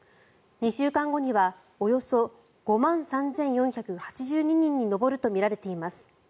２週間後にはおよそ５万３４８２人に上るとみられています。